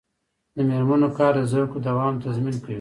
د میرمنو کار د زدکړو دوام تضمین کوي.